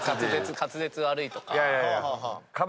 滑舌悪いとか。